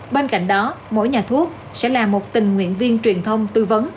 bên cạnh đó mỗi nhà thuốc sẽ là một tình nguyện viên truyền thông tư vấn